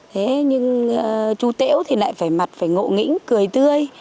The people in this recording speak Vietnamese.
thế nhưng chú tễu thì lại phải mặt phải ngộ nghĩnh cười tươi